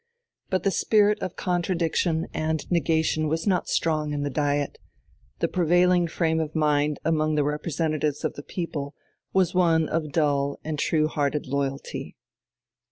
But the spirit of contradiction and negation was not strong in the Diet; the prevailing frame of mind among the representatives of the people was one of dull and true hearted loyalty.